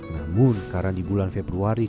namun karena di bulan februari